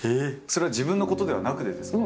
それは自分のことではなくてですか？